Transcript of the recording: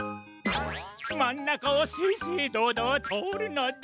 まんなかをせいせいどうどうとおるのだ！